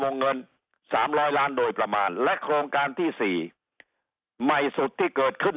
เงิน๓๐๐ล้านโดยประมาณและโครงการที่๔ใหม่สุดที่เกิดขึ้น